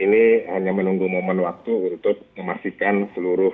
ini hanya menunggu momen waktu untuk memastikan seluruh